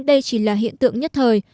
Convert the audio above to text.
đây chỉ là hiện tượng nhất thời